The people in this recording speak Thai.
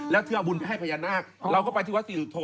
แล้วเธอเอาบุญไปให้พญานาคเราก็ไปที่วัดศรีสุโธ